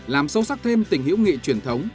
làm sâu sắc thêm tình hữu nghị truyền thống